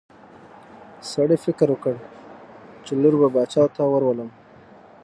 سړي فکر وکړ چې لور به باچا ته ورولم.